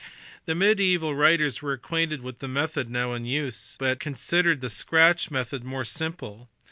The mediaeval writers were acquainted with the method now in use, but considered the scratch method more simple.